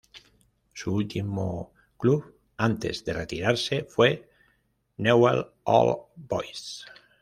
Su último club antes de retirarse fue Newell's Old Boys.